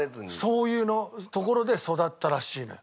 そういうところで育ったらしいのよ。